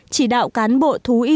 chỉ đạo cán bộ thú y